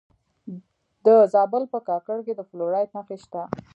د زابل په کاکړ کې د فلورایټ نښې شته.